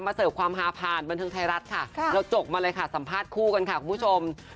เสิร์ฟความฮาผ่านบันเทิงไทยรัฐค่ะเราจกมาเลยค่ะสัมภาษณ์คู่กันค่ะคุณผู้ชม